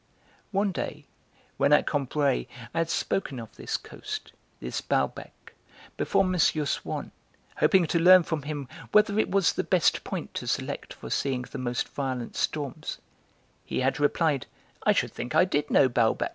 One day when, at Combray, I had spoken of this coast, this Balbec, before M. Swann, hoping to learn from him whether it was the best point to select for seeing the most violent storms, he had replied: "I should think I did know Balbec!